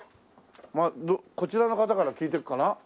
こちらの方から聞いていくかな。